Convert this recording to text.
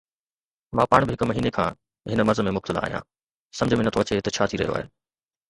مان پاڻ به هڪ مهيني کان هن مرض ۾ مبتلا آهيان، سمجهه ۾ نٿو اچي ته ڇا ٿي رهيو آهي.